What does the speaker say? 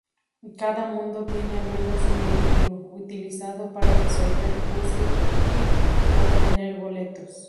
Cada mundo tiene al menos un vehículo, utilizado para resolver puzzles y obtener boletos.